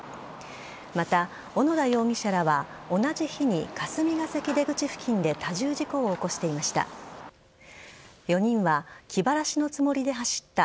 また、小野田容疑者らは同じ日に霞が関出口付近で多重事故を起こしていました。